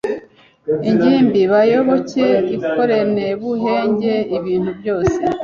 ingimbi beyoboke ikorenebuhenge ibintu byose